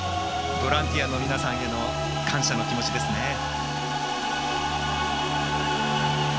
ボランティアの皆さんへの感謝の気持ちですね。